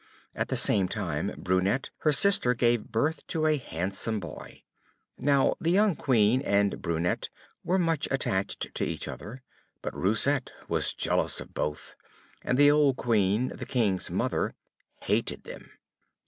At the same time Brunette, her sister, gave birth to a handsome boy. Now the young Queen and Brunette were much attached to each other, but Roussette was jealous of both, and the old Queen, the King's mother, hated them.